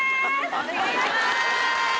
お願いします！